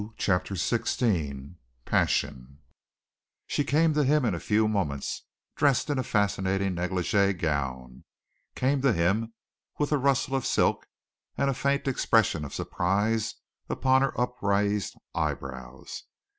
CHAPTER XVI PASSION She came to him in a few moments, dressed in a fascinating negligée gown, came to him with a rustle of silk and a faint expression of surprise upon her upraised eyebrows.